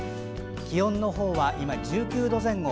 気温のほうは今１９度前後。